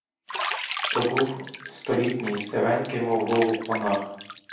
То був столітній, сивенький, мов голуб, монах.